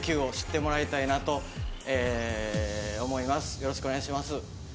よろしくお願いします。